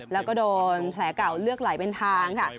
แล้วก็โดนแผลเก่าเลือดไหลเป็นทางค่ะ